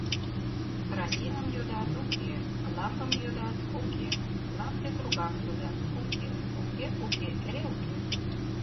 Красиным йодат — уке, лампым йодат — уке, лампе трубам йодат — уке, уке, уке эре уке.